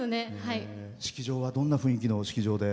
式場はどんな雰囲気の式場で？